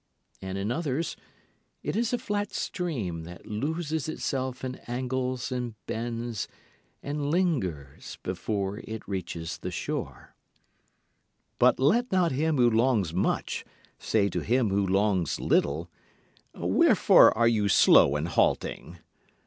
And in others it is a flat stream that loses itself in angles and bends and lingers before it reaches the shore. But let not him who longs much say to him who longs little, "Wherefore are you slow and halting?"